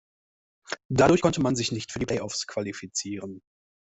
Dadurch konnte man sich nicht für die Playoffs qualifizieren.